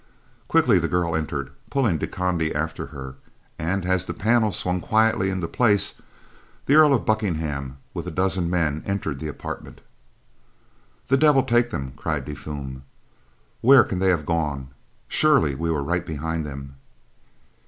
Quickly the girl entered, pulling De Conde after her, and as the panel swung quietly into place, the Earl of Buckingham with a dozen men entered the apartment. "The devil take them," cried De Fulm. "Where can they have gone? Surely we were right behind them."